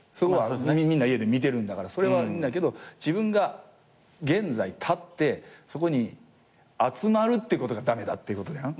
みんな家で見てるんだからそれはいいんだけど自分が現在立ってそこに集まるってことが駄目だっていうことやん。